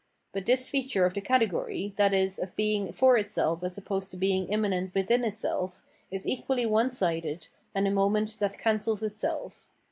But this feature of the category, viz. of being for itself as opposed to being immanent within itself, is equally one sided, and a moment that cancels itself.